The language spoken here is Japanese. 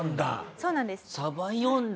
そうなんです。